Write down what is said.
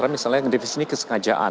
misalnya misalnya ini kesengajaan